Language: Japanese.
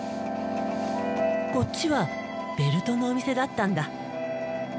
こっちはベルトのお店だったんだ。